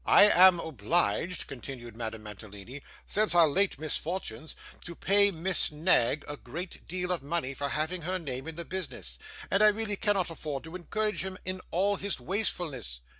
'I am obliged,' continued Madame Mantalini, 'since our late misfortunes, to pay Miss Knag a great deal of money for having her name in the business, and I really cannot afford to encourage him in all his wastefulness.